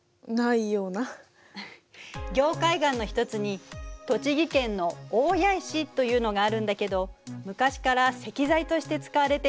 凝灰岩の一つに栃木県の大谷石というのがあるんだけど昔から石材として使われていることで有名ね。